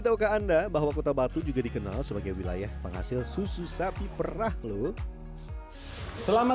tahukah anda bahwa kota batu juga dikenal sebagai wilayah penghasil susu sapi perah loh selama